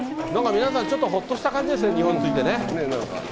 皆さんなんかほっとした感じですね、日本に着いてね。